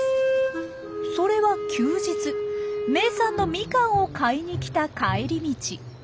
それは休日名産のみかんを買いに来た帰り道。